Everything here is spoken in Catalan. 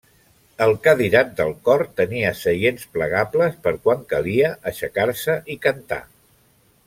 El cadirat del cor tenia seients plegables per quan calia aixecar-se i cantar.